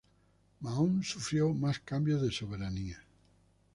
Mahón sufrió más cambios de soberanía.